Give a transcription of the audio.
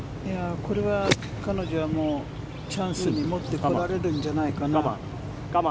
これは彼女は、チャンスに持ってこられるんじゃないかな。